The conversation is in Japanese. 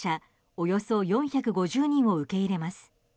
およそ４５０人を受け入れます。